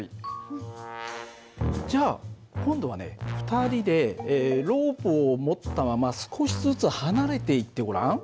２人でロープを持ったまま少しずつ離れていってごらん。